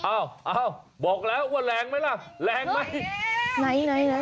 อ้าวบอกแล้วว่าแรงไหมแรงไหมหน่อย